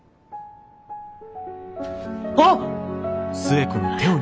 あっ！